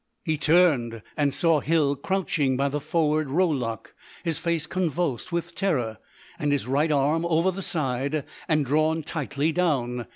He turned, and saw Hill crouching by the forward rowlock, his face convulsed with terror, and his right arm over the side and drawn tightly down.